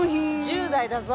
１０代だぞ！